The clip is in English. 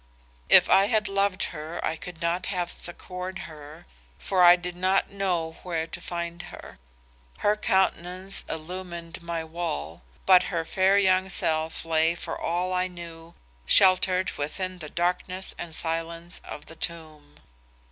If I had loved her I could not have succored her, for I did not know where to find her. Her countenance illumined my wall, but her fair young self lay for all I knew sheltered within the darkness and silence of the tomb.